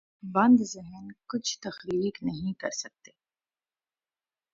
بند ذہن کچھ تخلیق نہیں کر سکتے۔